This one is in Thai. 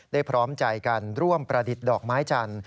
พร้อมใจกันร่วมประดิษฐ์ดอกไม้จันทร์